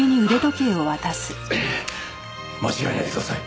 間違えないでください。